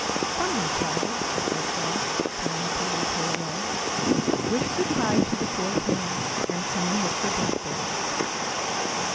"Come, my child," I said, trying to lead her away. "Wish good bye to the poor hare, and come and look for blackberries."